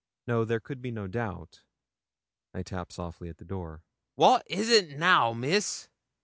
No; there could be no doubt. I tapped softly at the door. 'What is it now, Miss?'